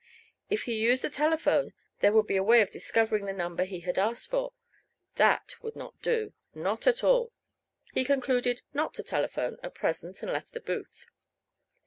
If he used the telephone there would be a way of discovering the number he had asked for. That would not do not at all! He concluded not to telephone, at present, and left the booth.